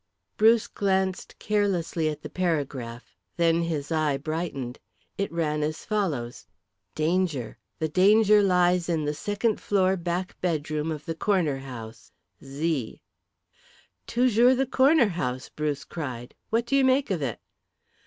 Bruce glanced carelessly at the paragraph. Then his eye brightened. It ran as follows: "Danger. The danger lies in the second floor back bedroom of the corner house. Z." "Toujours the corner house," Bruce cried. "What do you make of it?"